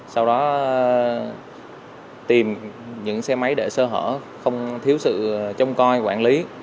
sau đó tìm những xe máy để sơ hở không thiếu sự trông coi quản lý